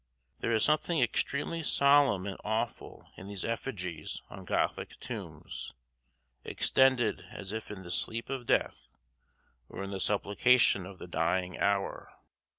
There is something extremely solemn and awful in those effigies on Gothic tombs, extended as if in the sleep of death or in the supplication of the dying hour.